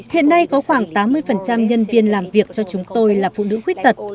hiện nay có khoảng tám mươi nhân viên làm việc cho chúng tôi là phụ nữ khuyết tật